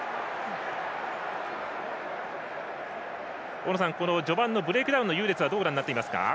大野さん、序盤のブレイクダウンの優劣はどうご覧になっていますか？